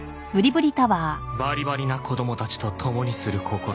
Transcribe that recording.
バリバリな子供たちと共にする志。